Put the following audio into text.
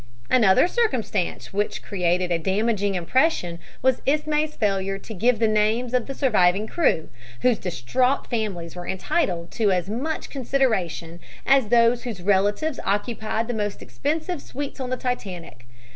Another circumstance which created a damaging impression was Ismay's failure to give the names of the surviving crew, whose distraught families were entitled to as much consideration as those whose relatives occupied the most expensive suites on the Titanic.